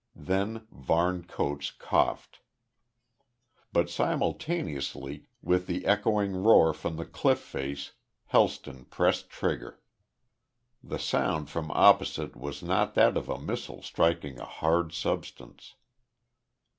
Then Varne Coates coughed. But simultaneously, with the echoing roar from the cliff face, Helston pressed trigger. The sound from opposite was not that of a missile striking a hard substance.